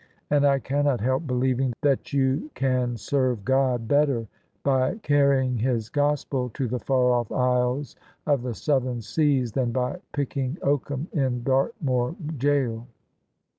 And I cannot help believing that you can serve God better by carrying His Gospel to the far off isles of the southern seas, than by picking oakum in Dartmoor gaol.